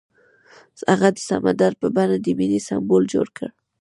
هغه د سمندر په بڼه د مینې سمبول جوړ کړ.